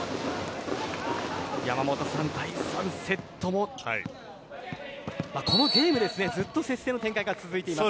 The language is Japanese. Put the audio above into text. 山本さん、第３セットもこのゲームずっと接戦の展開が続いています。